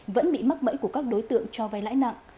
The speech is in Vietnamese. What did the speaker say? vẫn bị mắc bẫy của các đối tượng cho vay lãi nặng